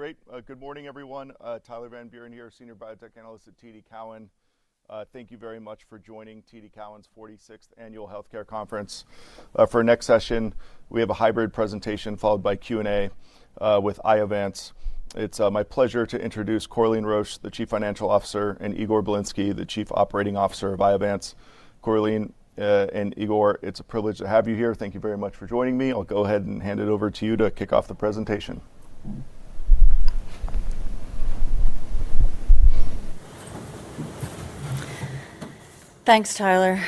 All right. Great. Good morning, everyone. Tyler Van Buren here, Senior Biotech Analyst at TD Cowen. Thank you very much for joining TD Cowen's 46th Annual Healthcare Conference. For our next session, we have a hybrid presentation followed by Q&A with Iovance. It's my pleasure to introduce Corleen Roche, the Chief Financial Officer, and Igor Bilinsky, the Chief Operating Officer of Iovance. Corleen and Igor, it's a privilege to have you here. Thank you very much for joining me. I'll go ahead and hand it over to you to kick off the presentation. Thanks, Tyler.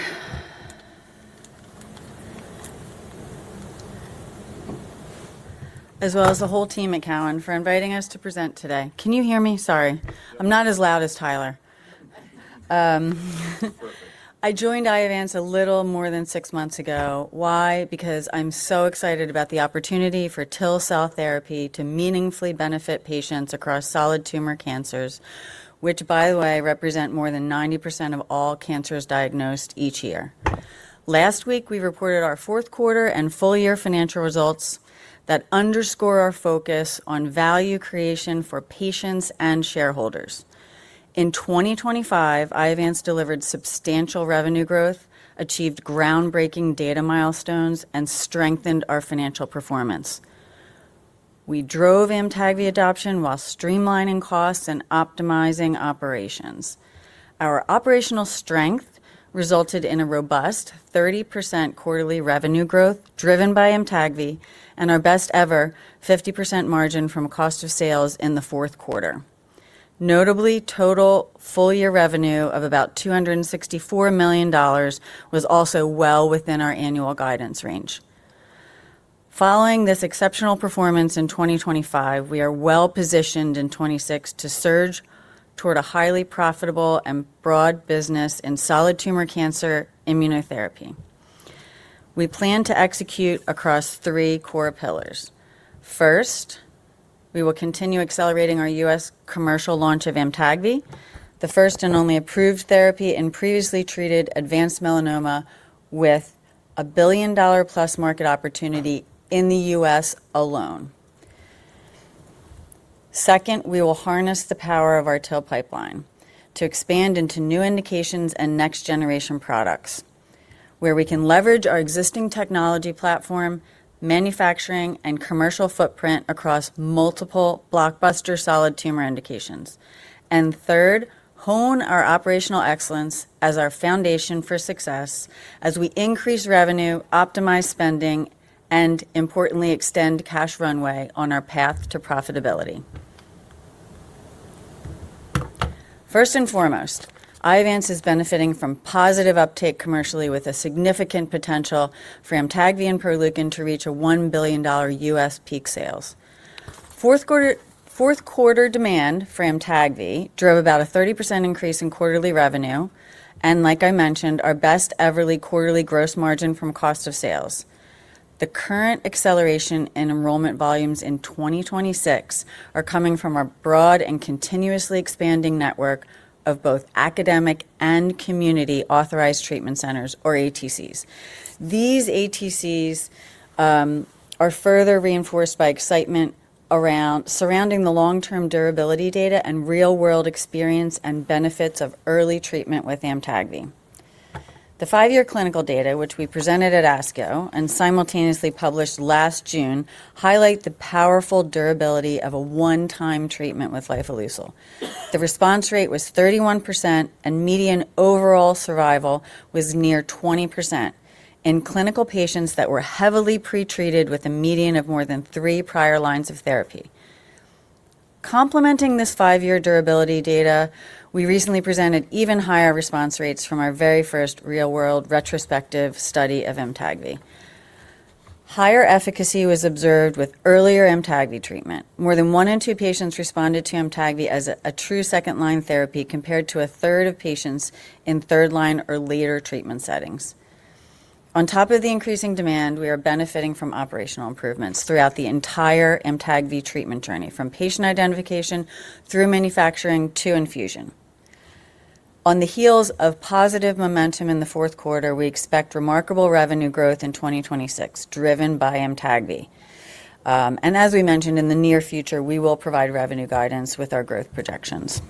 As well as the whole team at Cowen for inviting us to present today. Can you hear me? Sorry. I'm not as loud as Tyler. It's perfect. I joined Iovance a little more than 6 months ago. Why? Because I'm so excited about the opportunity for TIL cell therapy to meaningfully benefit patients across solid tumor cancers, which by the way, represent more than 90% of all cancers diagnosed each year. Last week, we reported our 4th quarter and full year financial results that underscore our focus on value creation for patients and shareholders. In 2025, Iovance delivered substantial revenue growth, achieved groundbreaking data milestones, and strengthened our financial performance. We drove AMTAGVI adoption while streamlining costs and optimizing operations. Our operational strength resulted in a robust 30% quarterly revenue growth driven by AMTAGVI and our best ever 50% margin from cost of sales in the 4th quarter. Notably, total full year revenue of about $264 million was also well within our annual guidance range. Following this exceptional performance in 2025, we are well-positioned in 2026 to surge toward a highly profitable and broad business in solid tumor cancer immunotherapy. We plan to execute across three core pillars. First, we will continue accelerating our U.S. commercial launch of AMTAGVI, the first and only approved therapy in previously treated advanced melanoma with a $1 billion-plus market opportunity in the U.S. alone. Second, we will harness the power of our TIL pipeline to expand into new indications and next generation products where we can leverage our existing technology platform, manufacturing, and commercial footprint across multiple blockbuster solid tumor indications. Third, hone our operational excellence as our foundation for success as we increase revenue, optimize spending, and importantly, extend cash runway on our path to profitability. First and foremost, Iovance is benefiting from positive uptake commercially with a significant potential for AMTAGVI and Proleukin to reach a $1 billion U.S. peak sales. fourth quarter demand for AMTAGVI drove about a 30% increase in quarterly revenue, and like I mentioned, our best everly quarterly gross margin from cost of sales. The current acceleration in enrollment volumes in 2026 are coming from our broad and continuously expanding network of both academic and community authorized treatment centers or ATCs. These ATCs are further reinforced by excitement surrounding the long-term durability data and real-world experience and benefits of early treatment with AMTAGVI. The five-year clinical data, which we presented at ASCO and simultaneously published last June, highlight the powerful durability of a one-time treatment with lifileucel. The response rate was 31%, median overall survival was near 20% in clinical patients that were heavily pretreated with a median of more than three prior lines of therapy. Complementing this five-year durability data, we recently presented even higher response rates from our very first real-world retrospective study of AMTAGVI. Higher efficacy was observed with earlier AMTAGVI treatment. More than one in two patients responded to AMTAGVI as a true second-line therapy compared to a third of patients in third line or later treatment settings. On top of the increasing demand, we are benefiting from operational improvements throughout the entire AMTAGVI treatment journey, from patient identification through manufacturing to infusion. On the heels of positive momentum in the fourth quarter, we expect remarkable revenue growth in 2026 driven by AMTAGVI. As we mentioned, in the near future, we will provide revenue guidance with our growth projections.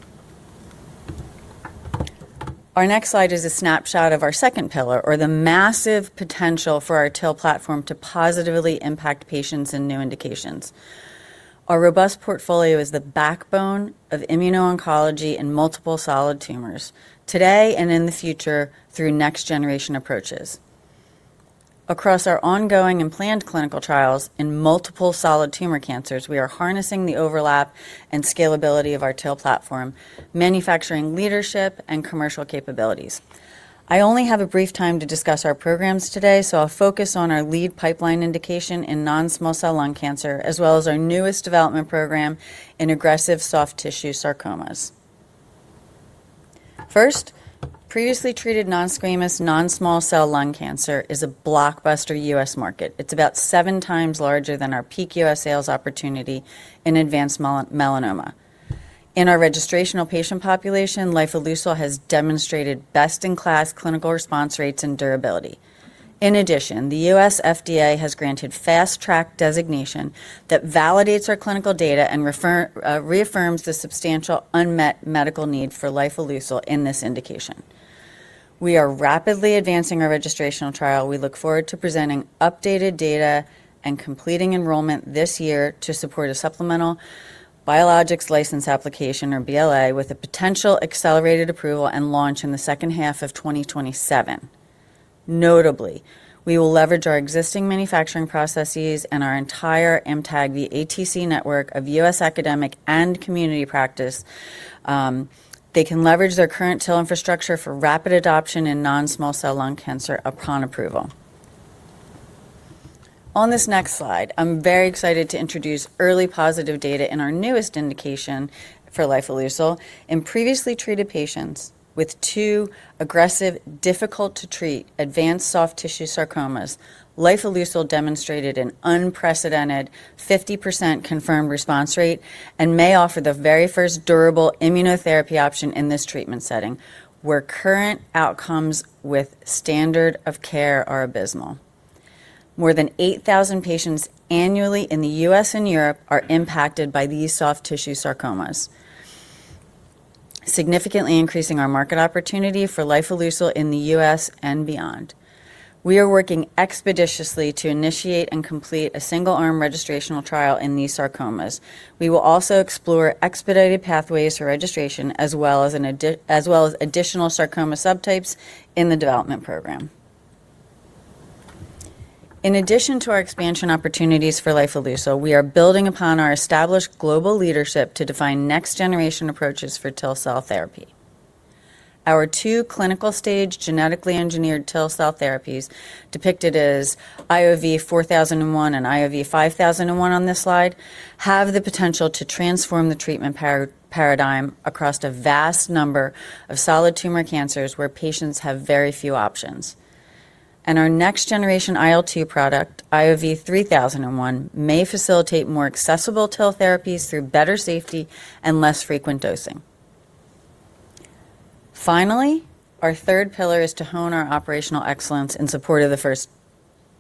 Our next slide is a snapshot of our second pillar or the massive potential for our TIL platform to positively impact patients in new indications. Our robust portfolio is the backbone of immuno-oncology in multiple solid tumors today and in the future through next generation approaches. Across our ongoing and planned clinical trials in multiple solid tumor cancers, we are harnessing the overlap and scalability of our TIL platform, manufacturing leadership, and commercial capabilities. I only have a brief time to discuss our programs today, so I'll focus on our lead pipeline indication in non-small cell lung cancer, as well as our newest development program in aggressive soft tissue sarcomas. First, previously treated non-squamous, non-small cell lung cancer is a blockbuster U.S. market. It's about seven times larger than our peak US sales opportunity in advanced melanoma. In our registrational patient population, lifileucel has demonstrated best-in-class clinical response rates and durability. In addition, the U.S. FDA has granted Fast Track designation that validates our clinical data and reaffirms the substantial unmet medical need for lifileucel in this indication. We are rapidly advancing our registrational trial. We look forward to presenting updated data and completing enrollment this year to support a supplemental Biologics License Application, or BLA, with a potential accelerated approval and launch in the second half of 2027. Notably, we will leverage our existing manufacturing processes and our entire AMTAGVI ATC network of U.S. academic and community practice. They can leverage their current TIL infrastructure for rapid adoption in non-small cell lung cancer upon approval. On this next slide, I'm very excited to introduce early positive data in our newest indication for lifileucel. In previously treated patients with two aggressive, difficult to treat advanced soft tissue sarcomas, Lifileucel demonstrated an unprecedented 50% confirmed response rate and may offer the very first durable immunotherapy option in this treatment setting, where current outcomes with standard of care are abysmal. More than 8,000 patients annually in the U.S. and Europe are impacted by these soft tissue sarcomas, significantly increasing our market opportunity for lifileucel in the U.S. and beyond. We are working expeditiously to initiate and complete a single-arm registrational trial in these sarcomas. We will also explore expedited pathways for registration as well as additional sarcoma subtypes in the development program. In addition to our expansion opportunities for lifileucel, we are building upon our established global leadership to define next-generation approaches for TIL cell therapy. Our two clinical stage genetically engineered TIL cell therapies, depicted as IOV-4001 and IOV-5001 on this slide, have the potential to transform the treatment paradigm across a vast number of solid tumor cancers where patients have very few options. Our next generation IL-2 product, IOV-3001, may facilitate more accessible TIL therapies through better safety and less frequent dosing. Finally, our third pillar is to hone our operational excellence in support of the first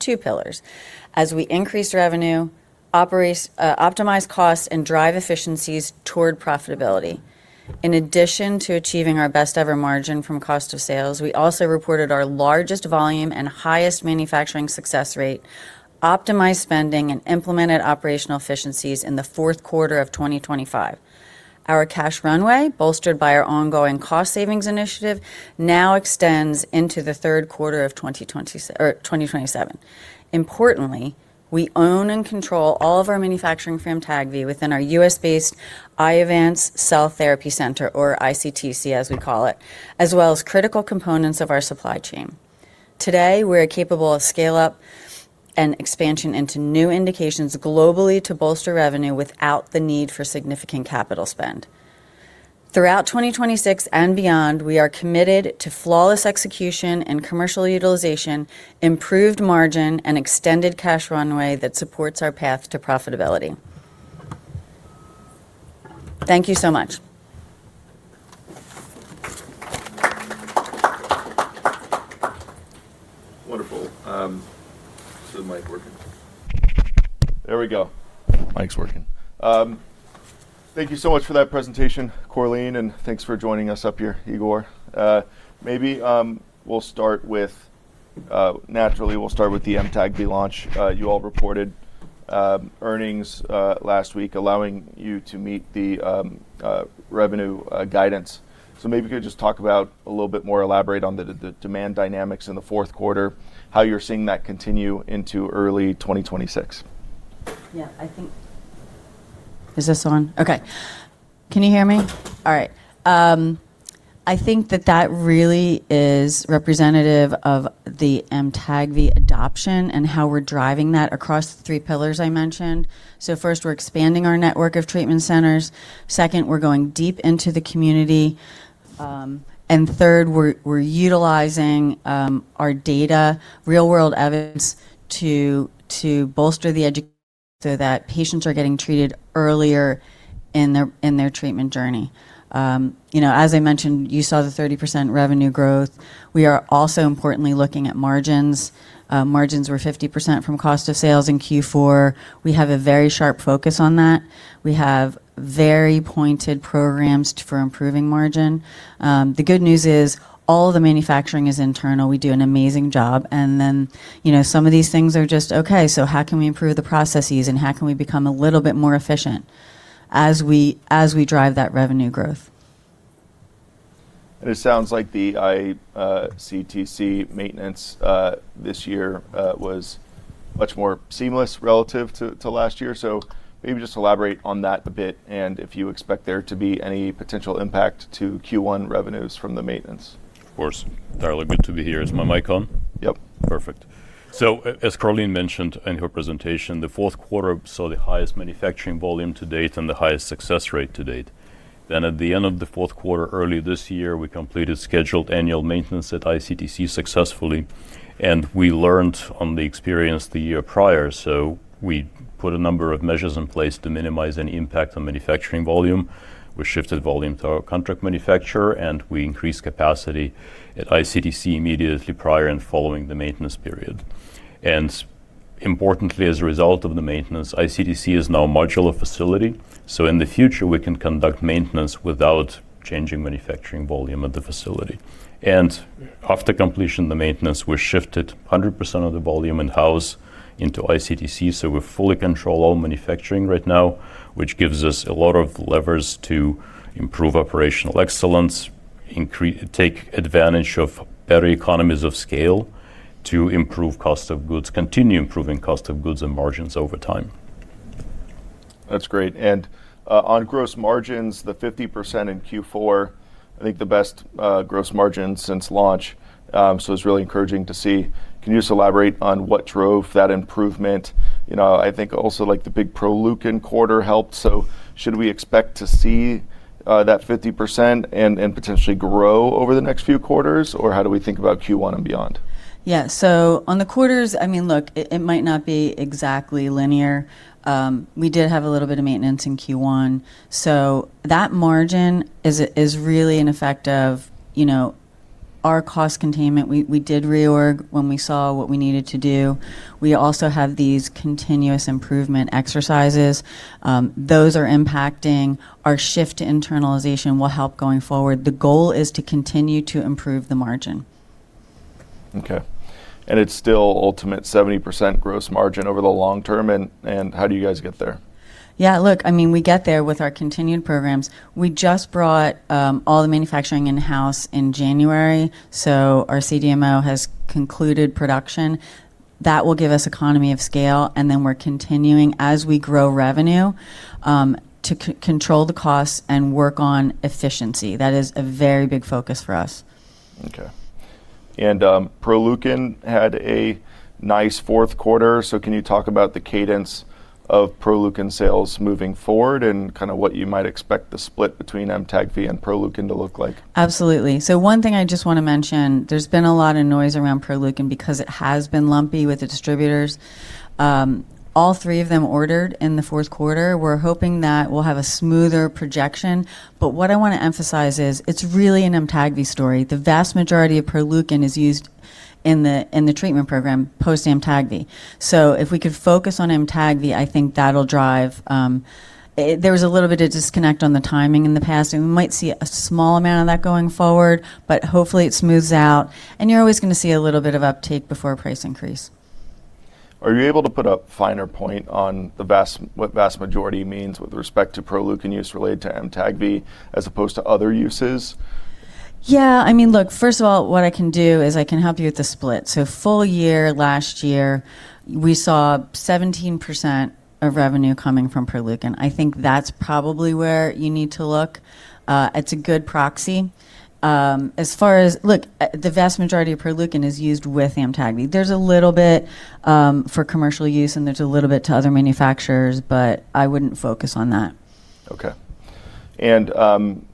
two pillars as we increase revenue, optimize costs, and drive efficiencies toward profitability. In addition to achieving our best ever margin from cost of sales, we also reported our largest volume and highest manufacturing success rate, optimized spending, and implemented operational efficiencies in the fourth quarter of 2025. Our cash runway, bolstered by our ongoing cost savings initiative, now extends into the third quarter of 2027. We own and control all of our manufacturing for AMTAGVI within our U.S.-based Iovance Cell Therapy Center, or ICTC as we call it, as well as critical components of our supply chain. We're capable of scale-up and expansion into new indications globally to bolster revenue without the need for significant capital spend. Throughout 2026 and beyond, we are committed to flawless execution and commercial utilization, improved margin, and extended cash runway that supports our path to profitability. Thank you so much. Wonderful. Is the mic working? There we go. Mic's working. Thank you so much for that presentation, Corleen, and thanks for joining us up here, Igor. Maybe, we'll start with naturally, we'll start with the AMTAGVI launch. You all reported earnings last week, allowing you to meet the revenue guidance. Maybe you could just talk about a little bit more, elaborate on the demand dynamics in the fourth quarter, how you're seeing that continue into early 2026. Yeah, I think. Is this on? Okay. Can you hear me? All right. I think that that really is representative of the AMTAGVI adoption and how we're driving that across the three pillars I mentioned. First, we're expanding our network of treatment centers. Second, we're going deep into the community. Third, we're utilizing our data, real-world evidence to bolster the education so that patients are getting treated earlier in their treatment journey. You know, as I mentioned, you saw the 30% revenue growth. We are also importantly looking at margins. Margins were 50% from cost of sales in Q4. We have a very sharp focus on that. We have very pointed programs for improving margin. The good news is all the manufacturing is internal. We do an amazing job, and then, you know, some of these things are just okay, so how can we improve the processes, and how can we become a little bit more efficient as we, as we drive that revenue growth? It sounds like the ICTC maintenance, this year, was much more seamless relative to last year. Maybe just elaborate on that a bit and if you expect there to be any potential impact to Q1 revenues from the maintenance. Of course. Darla, good to be here. Is my mic on? Yep. Perfect. As Corleen mentioned in her presentation, the fourth quarter saw the highest manufacturing volume to date and the highest success rate to date. At the end of the fourth quarter early this year, we completed scheduled annual maintenance at ICTC successfully, and we learned from the experience the year prior. We put a number of measures in place to minimize any impact on manufacturing volume. We shifted volume to our contract manufacturer, and we increased capacity at ICTC immediately prior and following the maintenance period. Importantly, as a result of the maintenance, ICTC is now a modular facility, so in the future we can conduct maintenance without changing manufacturing volume at the facility. After completion of the maintenance, we shifted 100% of the volume in-house into ICTC, so we fully control all manufacturing right now, which gives us a lot of levers to improve operational excellence, take advantage of better economies of scale to improve cost of goods, continue improving cost of goods and margins over time. That's great. On gross margins, the 50% in Q4, I think the best gross margin since launch, so it's really encouraging to see. Can you just elaborate on what drove that improvement? You know, I think also like the big Proleukin quarter helped, should we expect to see that 50% and potentially grow over the next few quarters? How do we think about Q1 and beyond? On the quarters, I mean, look, it might not be exactly linear. We did have a little bit of maintenance in Q1. That margin is really an effect of, you know, our cost containment. We did reorg when we saw what we needed to do. We also have these continuous improvement exercises. Those are impacting. Our shift to internalization will help going forward. The goal is to continue to improve the margin. Okay. It's still ultimate 70% gross margin over the long term, how do you guys get there? Yeah, look, I mean, we get there with our continued programs. We just brought all the manufacturing in-house in January. Our CDMO has concluded production. That will give us economy of scale. We're continuing as we grow revenue to control the costs and work on efficiency. That is a very big focus for us. Okay. Proleukin had a nice fourth quarter, so can you talk about the cadence of Proleukin sales moving forward and kinda what you might expect the split between AMTAGVI and Proleukin to look like? Absolutely. One thing I just wanna mention, there's been a lot of noise around Proleukin because it has been lumpy with the distributors. All three of them ordered in the fourth quarter. We're hoping that we'll have a smoother projection. What I wanna emphasize is it's really an AMTAGVI story. The vast majority of Proleukin is used in the treatment program post-AMTAGVI. If we could focus on AMTAGVI, I think that'll drive. There was a little bit of disconnect on the timing in the past, and we might see a small amount of that going forward, but hopefully it smooths out, and you're always gonna see a little bit of uptake before a price increase. Are you able to put a finer point on the vast, what vast majority means with respect to Proleukin use related to AMTAGVI as opposed to other uses? Yeah. I mean, look, first of all, what I can do is I can help you with the split. Full year last year, we saw 17% of revenue coming from Proleukin. I think that's probably where you need to look. It's a good proxy. As far as... Look, the vast majority of Proleukin is used with AMTAGVI. There's a little bit, for commercial use, and there's a little bit to other manufacturers. I wouldn't focus on that. Okay. you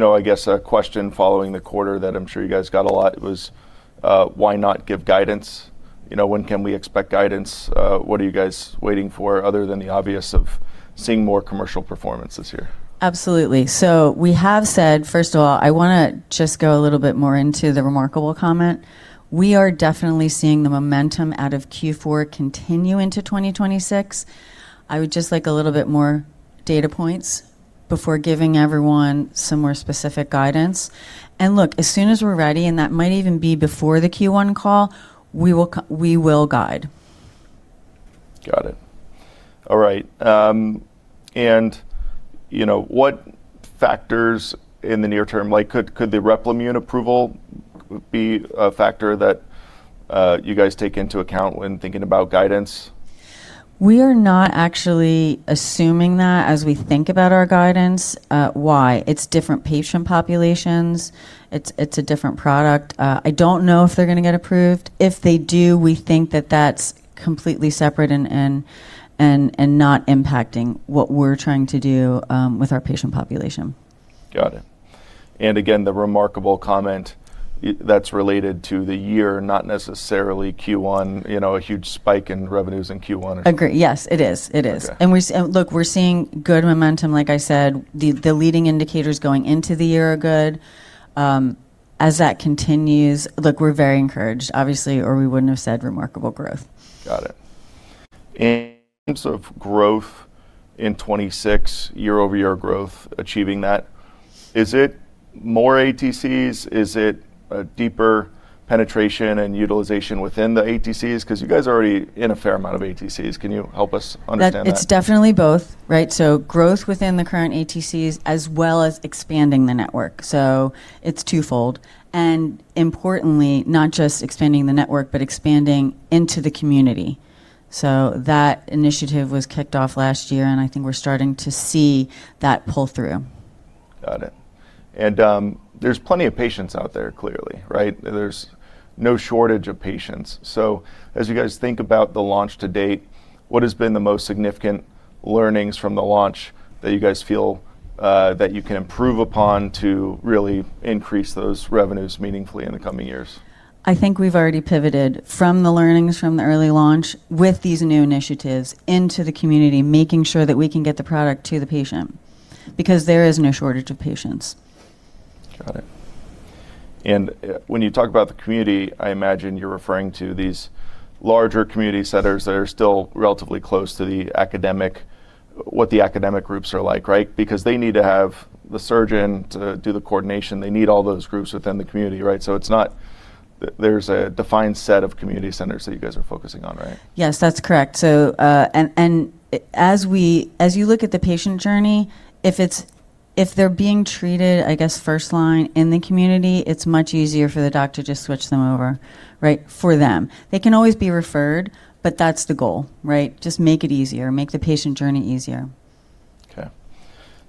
know, I guess a question following the quarter that I'm sure you guys got a lot was, why not give guidance? You know, when can we expect guidance? What are you guys waiting for other than the obvious of seeing more commercial performance this year? Absolutely. We have said. First of all, I wanna just go a little bit more into the remarkable comment. We are definitely seeing the momentum out of Q4 continue into 2026. I would just like a little bit more data points before giving everyone some more specific guidance. Look, as soon as we're ready, and that might even be before the Q1 call, we will guide. Got it. All right. you know, what factors in the near term, like could the Replimune approval be a factor that, you guys take into account when thinking about guidance? We are not actually assuming that as we think about our guidance. why? It's different patient populations. It's a different product. I don't know if they're gonna get approved. If they do, we think that that's completely separate and not impacting what we're trying to do with our patient population. Got it. Again, the remarkable comment, that's related to the year, not necessarily Q1, you know, a huge spike in revenues in Q1 or so. Agree. Yes, it is. Okay. Look, we're seeing good momentum, like I said. The leading indicators going into the year are good. As that continues, look, we're very encouraged, obviously, or we wouldn't have said remarkable growth. Got it. In terms of growth in 2026, year-over-year growth, achieving that, is it more ATCs? Is it a deeper penetration and utilization within the ATCs? 'Cause you guys are already in a fair amount of ATCs. Can you help us understand that? That it's definitely both, right? Growth within the current ATCs as well as expanding the network, so it's twofold. Importantly, not just expanding the network, but expanding into the community. That initiative was kicked off last year, and I think we're starting to see that pull through. Got it. There's plenty of patients out there clearly, right? There's no shortage of patients. As you guys think about the launch to date, what has been the most significant learnings from the launch that you guys feel that you can improve upon to really increase those revenues meaningfully in the coming years? I think we've already pivoted from the learnings from the early launch with these new initiatives into the community, making sure that we can get the product to the patient, because there is no shortage of patients. Got it. When you talk about the community, I imagine you're referring to these larger community centers that are still relatively close to the academic, what the academic groups are like, right? They need to have the surgeon to do the coordination. They need all those groups within the community, right? It's not there's a defined set of community centers that you guys are focusing on, right? Yes, that's correct. As you look at the patient journey, if they're being treated, I guess, first line in the community, it's much easier for the doctor to just switch them over, right, for them. They can always be referred, but that's the goal, right? Just make it easier. Make the patient journey easier. Okay.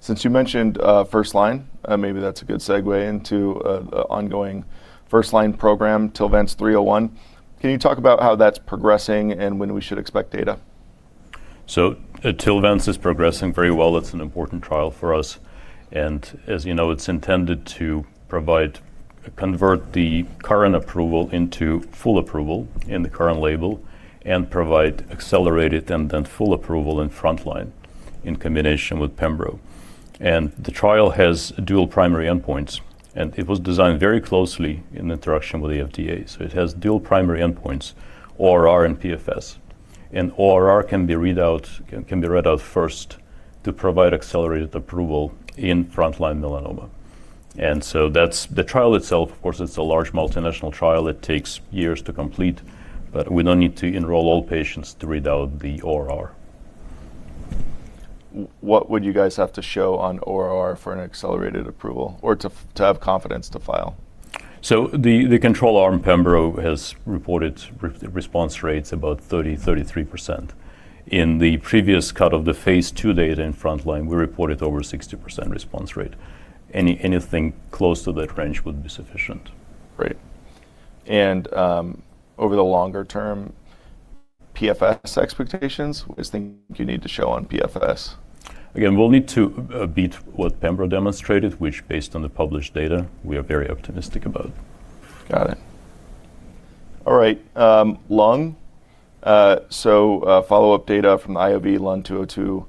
Since you mentioned, first line, maybe that's a good segue into, ongoing first-line program, TILVANCE-301. Can you talk about how that's progressing and when we should expect data? The TILVANCE is progressing very well. It's an important trial for us. As you know, it's intended to provide convert the current approval into full approval in the current label and provide accelerated and then full approval in front line in combination with pembrolizumab. The trial has dual primary endpoints, and it was designed very closely in interaction with the FDA. It has dual primary endpoints, ORR and PFS. ORR can be read out first to provide accelerated approval in front line melanoma. That's The trial itself, of course, it's a large multinational trial. It takes years to complete, but we don't need to enroll all patients to read out the ORR. What would you guys have to show on ORR for an accelerated approval or to have confidence to file? The control arm pembrolizumab has reported re-response rates about 30-33%. In the previous cut of the phase 2 data in front line, we reported over 60% response rate. Anything close to that range would be sufficient. Great. Over the longer term PFS expectations, what is the you need to show on PFS? We'll need to beat what pembrolizumab demonstrated, which based on the published data, we are very optimistic about. Got it. All right. lung. follow-up data from IOV-LUN-202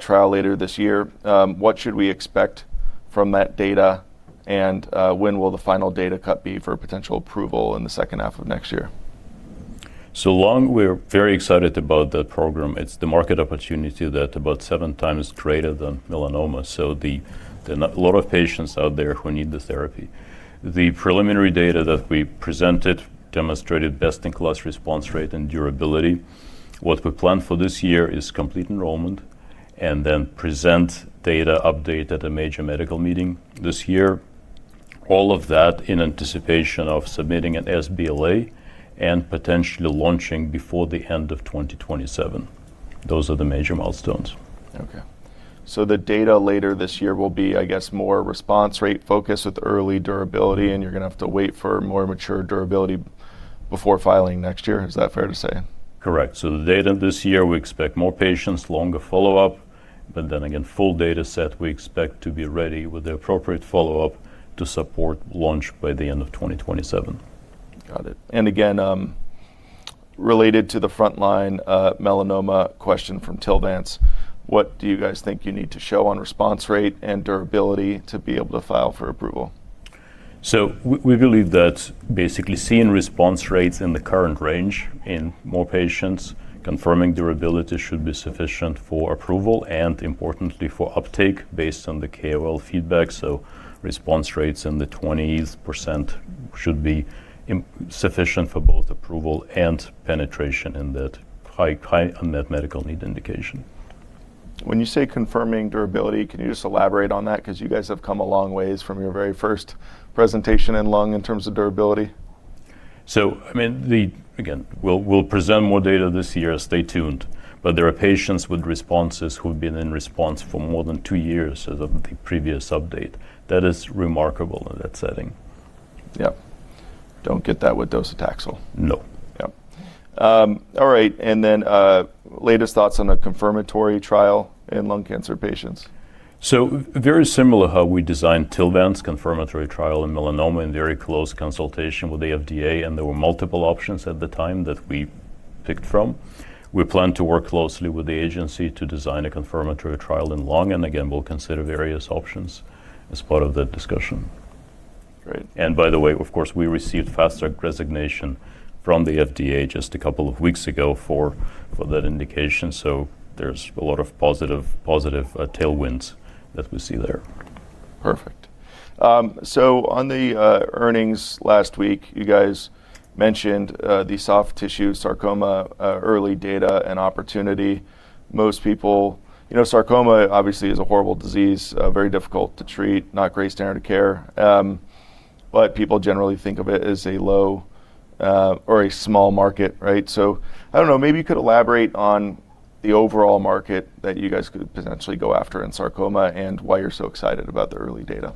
trial later this year. What should we expect from that data, and when will the final data cut be for potential approval in the second half of next year? Lung, we're very excited about that program. It's the market opportunity that about seven times greater than melanoma. There are a lot of patients out there who need the therapy. The preliminary data that we presented demonstrated best-in-class response rate and durability. What we plan for this year is complete enrollment and then present data update at a major medical meeting this year. All of that in anticipation of submitting an sBLA and potentially launching before the end of 2027. Those are the major milestones. Okay. The data later this year will be, I guess, more response rate focused with early durability, and you're going to have to wait for more mature durability before filing next year. Is that fair to say? Correct. The data this year, we expect more patients, longer follow-up, but then again, full data set, we expect to be ready with the appropriate follow-up to support launch by the end of 2027. Got it. Again, related to the frontline melanoma question from TILVANCE, what do you guys think you need to show on response rate and durability to be able to file for approval? We believe that basically seeing response rates in the current range in more patients confirming durability should be sufficient for approval and importantly for uptake based on the KOL feedback. Response rates in the 20s% should be sufficient for both approval and penetration in that high, high unmet medical need indication. When you say confirming durability, can you just elaborate on that? You guys have come a long ways from your very first presentation in lung in terms of durability. I mean, the Again, we'll present more data this year. Stay tuned. There are patients with responses who've been in response for more than two years as of the previous update. That is remarkable in that setting. Yep. Don't get that with docetaxel. No. Yep. All right. Latest thoughts on a confirmatory trial in lung cancer patients? Very similar how we designed TILVANCE confirmatory trial in melanoma in very close consultation with the FDA. There were multiple options at the time that we picked from. We plan to work closely with the agency to design a confirmatory trial in lung. Again, we'll consider various options as part of that discussion. Great. By the way, of course, we received Fast Track designation from the FDA just a couple of weeks ago for that indication, so there's a lot of positive tailwinds that we see there. Perfect. On the earnings last week, you guys mentioned the soft tissue sarcoma early data and opportunity. You know, sarcoma obviously is a horrible disease, very difficult to treat, not great standard of care. People generally think of it as a low or a small market, right? I don't know, maybe you could elaborate on the overall market that you guys could potentially go after in sarcoma and why you're so excited about the early data.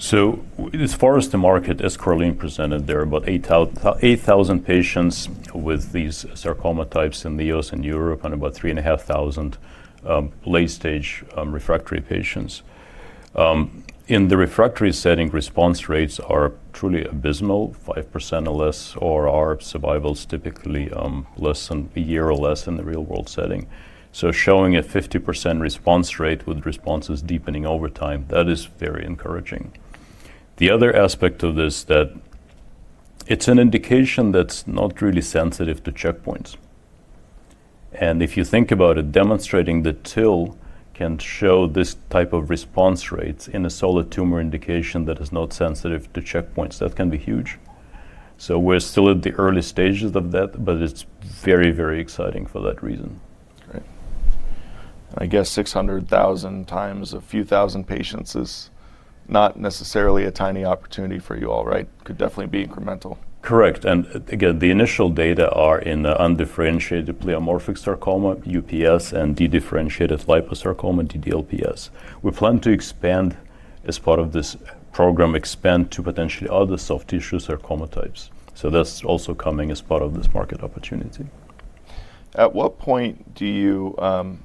As far as the market as Corleen presented, there are about 8,000 patients with these sarcoma types in the U.S. and Europe, and about 3,500, late stage, refractory patients. In the refractory setting, response rates are truly abysmal, 5% or less, or our survival's typically, less than a year or less in the real world setting. Showing a 50% response rate with responses deepening over time, that is very encouraging. The other aspect of this that. It's an indication that's not really sensitive to checkpoints. If you think about it, demonstrating that TIL can show this type of response rates in a solid tumor indication that is not sensitive to checkpoints, that can be huge. We're still at the early stages of that, but it's very, very exciting for that reason. Great. I guess 600,000 times a few thousand patients is not necessarily a tiny opportunity for you all, right? Could definitely be incremental. Correct. Again, the initial data are in the undifferentiated pleomorphic sarcoma, UPS, and dedifferentiated liposarcoma, DDLPS. We plan to expand as part of this program, expand to potentially other soft tissue sarcoma types. That's also coming as part of this market opportunity. At what point do you. Well-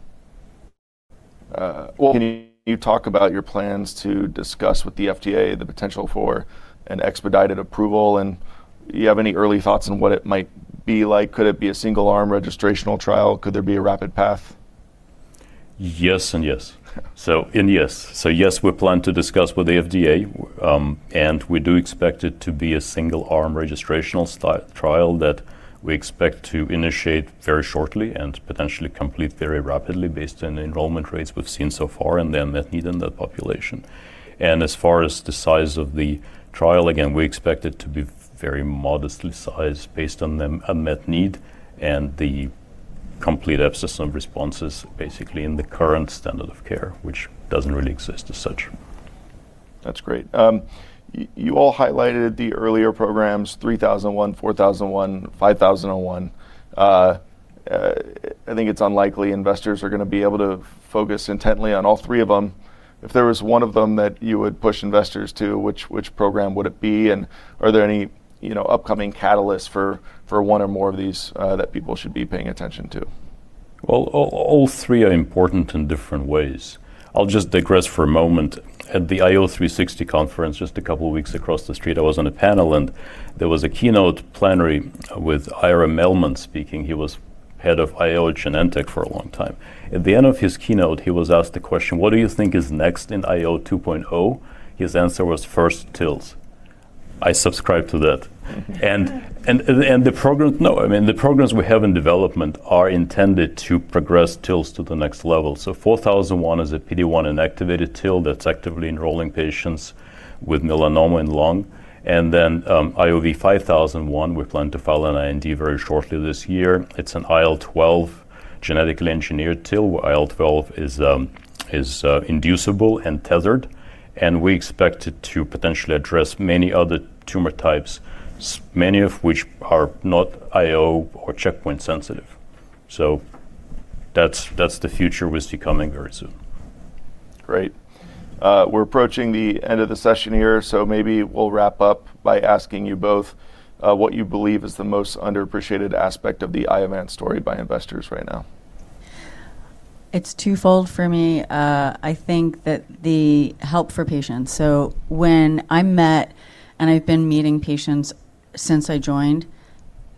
Can you talk about your plans to discuss with the FDA the potential for an expedited approval? Do you have any early thoughts on what it might be like? Could it be a single-arm registrational trial? Could there be a rapid path? Yes and yes. So yes, we plan to discuss with the FDA, and we do expect it to be a single-arm registrational trial that we expect to initiate very shortly and potentially complete very rapidly based on the enrollment rates we've seen so far and the unmet need in that population. As far as the size of the trial, again, we expect it to be very modestly sized based on the unmet need and the complete absence of responses basically in the current standard of care, which doesn't really exist as such. That's great. You all highlighted the earlier programs, 3001, 4001, 5001. I think it's unlikely investors are gonna be able to focus intently on all three of them. If there was one of them that you would push investors to, which program would it be? Are there any, you know, upcoming catalysts for one or more of these that people should be paying attention to? Well, all three are important in different ways. I'll just digress for a moment. At the IO360 conference just a couple of weeks across the street, I was on a panel. There was a keynote plenary with Ira Mellman speaking. He was head of IO at Genentech for a long time. At the end of his keynote, he was asked the question, "What do you think is next in IO 2.0?" His answer was, "First, TILS." I subscribe to that. I mean, the programs we have in development are intended to progress TILS to the next level. IOV-4001 is a PD-1 inactivated TIL that's actively enrolling patients with melanoma in lung. IOV-5001, we plan to file an IND very shortly this year. It's an IL-12 genetically engineered TIL, where IL-12 is inducible and tethered. We expect it to potentially address many other tumor types, many of which are not IO or checkpoint sensitive. That's the future we see coming very soon. Great. We're approaching the end of the session here, so maybe we'll wrap up by asking you both what you believe is the most underappreciated aspect of the Iovance story by investors right now. It's twofold for me. I think that the help for patients. When I met, and I've been meeting patients since I joined,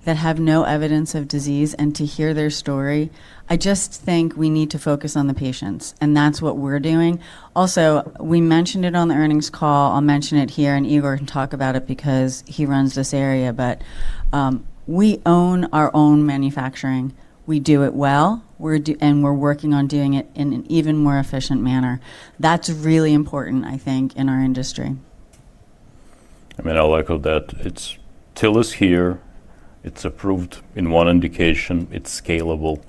that have no evidence of disease and to hear their story, I just think we need to focus on the patients, and that's what we're doing. Also, we mentioned it on the earnings call, I'll mention it here, and Igor can talk about it because he runs this area, but, we own our own manufacturing. We do it well. We're working on doing it in an even more efficient manner. That's really important, I think, in our industry. I mean, I'll echo that. TIL is here. It's approved in one indication. It's scalable.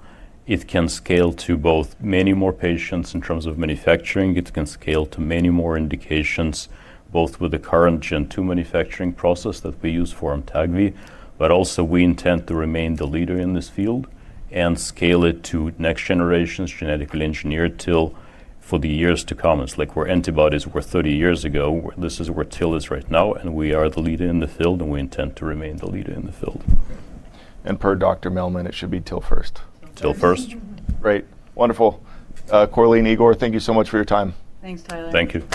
It can scale to both many more patients in terms of manufacturing. It can scale to many more indications, both with the current Gen 2 manufacturing process that we use for AMTAGVI, but also we intend to remain the leader in this field and scale it to next generations, genetically engineered TIL for the years to come. It's like where antibodies were 30 years ago, this is where TIL is right now, and we are the leader in the field, and we intend to remain the leader in the field. Per Dr. Mellman, it should be TIL first. TIL first. TIL first. Great. Wonderful. Corleen, Igor, thank you so much for your time. Thanks, Tyler. Thank you.